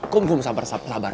kom kom sabar sabar